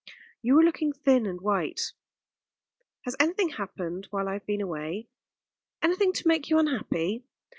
"You are looking thin and white. Has anything happened while I have been away, anything to make you unhappy?"